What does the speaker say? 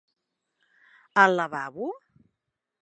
Al lavabo?